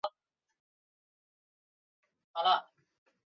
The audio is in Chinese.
隆线强蟹为长脚蟹科强蟹属的动物。